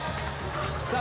さあ